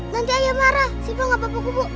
nanti ayah marah siva gak apa apa bu